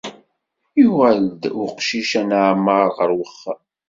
Yuɣal-d uqcic aneɛmar ɣer uxxam.